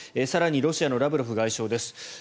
更にロシアのラブロフ外相です。